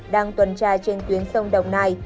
đang tuần trai trên tuyến sông đồng nai